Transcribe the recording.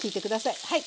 はい。